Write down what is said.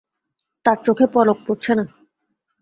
তাঁর চোখে পদক পড়ছে না।